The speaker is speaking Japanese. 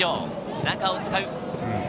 中を使う。